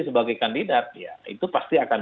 sebagai kandidat ya itu pasti akan